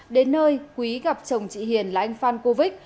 đến nơi quý gặp chồng chị hiền là anh phan cô vích